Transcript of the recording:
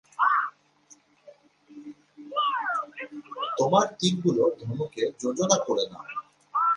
তোমরা তীরগুলো ধনুকে যোজনা করে নাও।